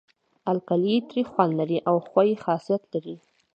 القلي تریخ خوند لري او ښوی خاصیت لري.